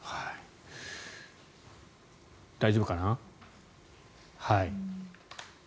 大丈夫かな。